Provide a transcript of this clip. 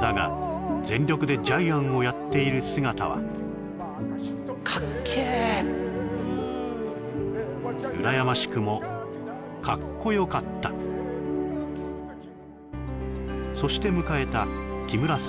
だが全力でジャイアンをやっている姿はうらやましくもかっこよかったそして迎えた木村昴